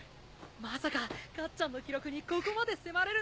まさかかっちゃんの記録にここまで迫れるなんて。